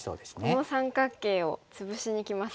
この三角形を潰しにきます。